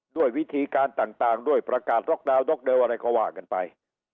ด้วยวิธีการต่างด้วยประกาศล็อกดาวนด็อกเดลอะไรก็ว่ากันไป